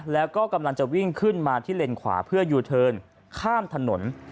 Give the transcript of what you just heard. แล้วก็กำลังจะวิ่งขึ้นมาที่เลนขวาเพื่อยูเทิร์นข้ามถนน